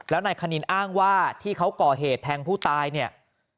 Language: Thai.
แล้วนายคณินอ้างว่าที่เขาก่อเหตุแทงผู้ตายเนี่ย